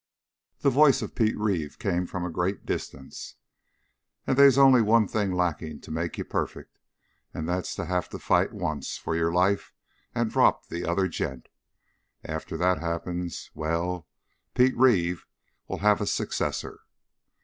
The voice of Pete Reeve came from a great distance. "And they's only one thing lacking to make you perfect and that's to have to fight once for your life and drop the other gent. After that happens well, Pete Reeve will have a successor!"